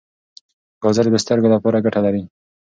ګازرې د سترګو لپاره ګټه لري.